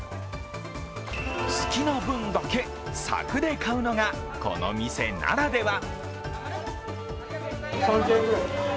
好きな分だけ柵で買うのがこの店ならでは。